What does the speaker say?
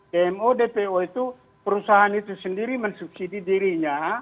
dmo dpo itu perusahaan itu sendiri mensubsidi dirinya